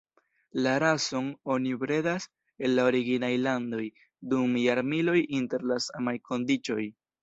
La rason oni bredas en la originaj landoj dum jarmiloj inter la samaj kondiĉoj.